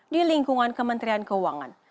di lingkungan kementerian keuangan